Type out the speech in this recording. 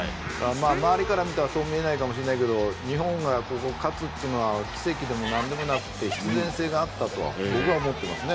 周りから見たらそう見えないかもしれないけど日本が勝つというのは奇跡でも何でもなくて必然性があったと僕は思っていますね。